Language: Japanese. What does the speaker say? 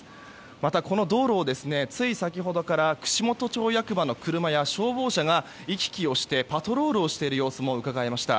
また、この道路をつい先ほどから串本町役場の車や消防車が行き来してパトロールしている様子もうかがえました。